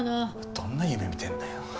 どんな夢見てんだよ。